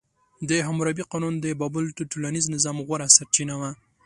د حموربي قانون د بابل د ټولنیز نظم غوره سرچینه وه.